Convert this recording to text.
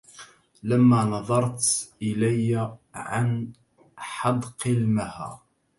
لما نظرت إلي عن حدق المها